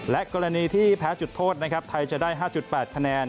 และกรณีที่แพ้จุดโทษนะครับไทยจะได้๕๘คะแนน